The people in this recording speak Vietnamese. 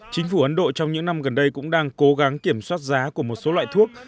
chính phủ ấn độ trong những năm gần đây cũng đang cố gắng kiểm soát giá của một số loại thuốc